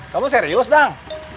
kamu serius dang